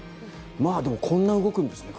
でもこんな動くんですね。